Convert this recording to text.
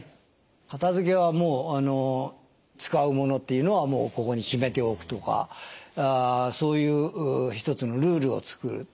片付けはもう使うものっていうのはここに決めておくとかそういう一つのルールを作ると。